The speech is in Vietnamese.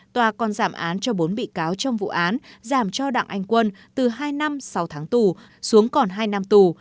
tòa còn giảm án cho bốn bị cáo trong vụ án giảm cho đặng anh quân từ hai năm sáu tháng tù xuống còn hai năm tù